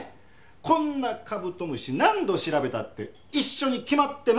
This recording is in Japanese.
こんなカブトムシ何度調べたって一緒に決まってます！